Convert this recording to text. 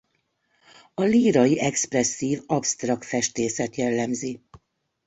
A lírai expresszív absztrakt festészet jellemzi.